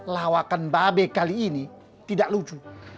lawakan babe kali ini tidak lucu